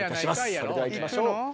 それでは行きましょう。